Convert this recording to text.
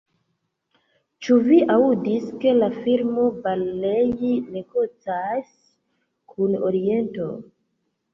Ĉu vi aŭdis, ke la firmo Barlei negocas kun Oriento?